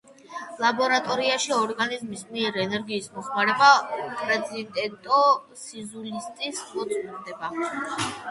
ლაბორატორიაში ორგანიზმის მიერ ენერგიის მოხმარება უპრეცედენტო სიზუსტით მოწმდება.